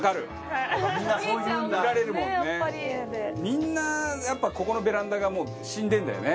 みんなやっぱここのベランダがもう死んでるんだよね。